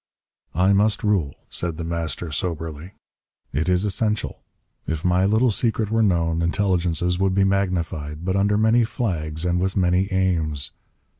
"I must rule," said The Master soberly. "It is essential. If my little secret were known, intelligences would be magnified, but under many flags and with many aims.